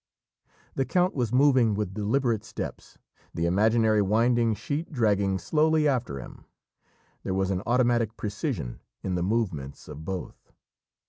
The count was moving with deliberate steps, the imaginary winding sheet dragging slowly after him. There was an automatic precision in the movements of both.